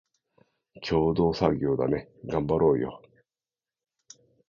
共同作業だね、がんばろーよ